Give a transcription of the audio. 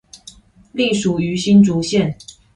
隸屬於新竹縣